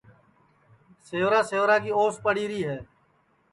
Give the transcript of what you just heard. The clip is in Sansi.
سیورا سیورا کی اوس پڑی ہے